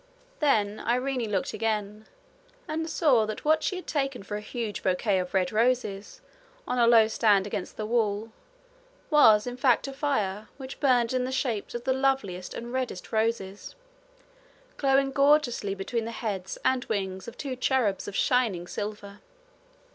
Then Irene looked again, and saw that what she had taken for a huge bouquet of red roses on a low stand against the wall was in fact a fire which burned in the shapes of the loveliest and reddest roses, glowing gorgeously between the heads and wings of two cherubs of shining silver.